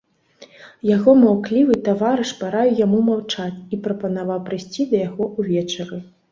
Яго маўклівы таварыш параіў яму маўчаць і прапанаваў прыйсці да яго ўвечары.